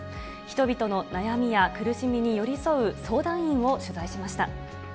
人々の悩みや苦しみに寄り添う相談員を取材しました。